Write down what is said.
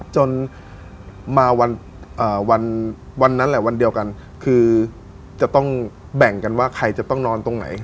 จนมาวันนั้นแหละวันเดียวกันคือจะต้องแบ่งกันว่าใครจะต้องนอนตรงไหน